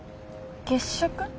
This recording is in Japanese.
月食？